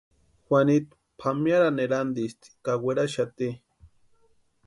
Juanitu pʼamearhani erantisti ka weraxati.